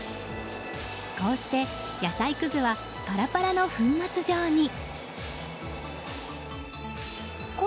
こうして、野菜くずはパラパラの粉末状に。